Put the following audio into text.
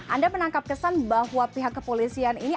anda menangkap kesan bahwa pihak kepolisian ini